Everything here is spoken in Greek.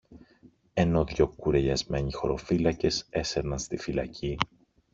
ενώ δυο κουρελιασμένοι χωροφύλακες έσερναν στη φυλακή